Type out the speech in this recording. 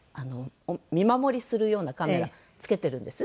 見守りするようなカメラ付けてるんです。